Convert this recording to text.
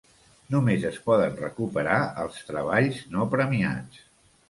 Només es poden recuperar els treballs no premiats.